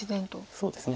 そうですね。